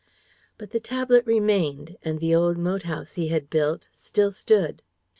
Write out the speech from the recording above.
But the tablet remained, and the old moat house he had built still stood.